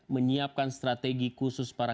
menyiapkan strategi khusus para